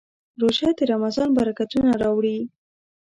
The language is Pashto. روژه د رمضان برکتونه راوړي.